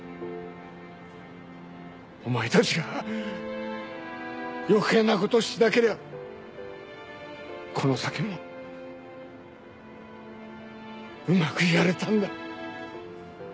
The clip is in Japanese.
お前たちが余計な事しなけりゃこの先もうまくやれたんだ。